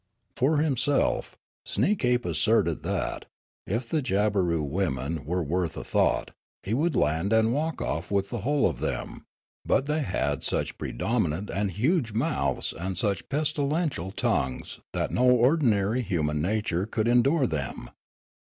For himself, Sneekape asserted that, if the Jabberoo women were worth a thought, he would land and walk off with the whole of them ; but they had such pre dominant and huge mouths and such pestilential tongues that no ordinary human nature could endure them.